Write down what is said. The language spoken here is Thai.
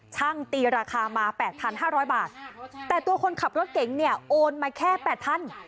ตีราคามา๘๕๐๐บาทแต่ตัวคนขับรถเก๋งเนี่ยโอนมาแค่แปดพัน